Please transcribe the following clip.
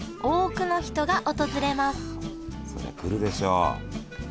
そりゃ来るでしょ。